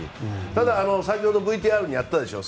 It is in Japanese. ただ、先ほどもＶＴＲにあったでしょ。